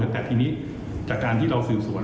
แต่ทีนี้จากการที่เราสืบสวน